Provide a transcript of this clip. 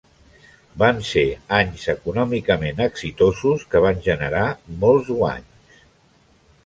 Van ser anys econòmicament exitosos que van generar molts guanys.